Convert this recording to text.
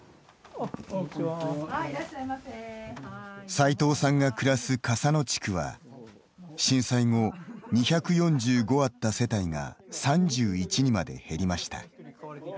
齋藤さんが暮らす笠野地区は震災後、２４５あった世帯が３１にまで減りました。